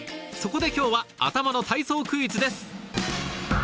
そこで今日は頭の体操クイズです